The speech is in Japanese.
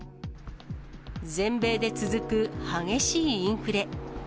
全米で続く激しいインフレ。